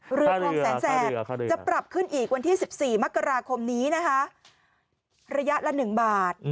เรือคลองแสนแสบจะปรับขึ้นอีกวันที่๑๔มกราคมนี้นะคะระยะละ๑บาท